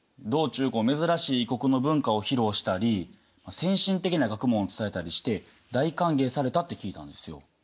道中珍しい異国の文化を披露したり先進的な学問を伝えたりして大歓迎されたって聞いたんですよ。